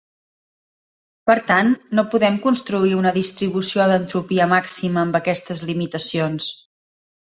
Per tant, no podem construir una distribució d'entropia màxima amb aquestes limitacions.